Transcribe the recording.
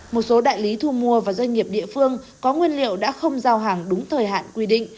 một số đại lý thu mua và doanh nghiệp địa phương có nguyên liệu đã không giao hàng đúng thời hạn quy định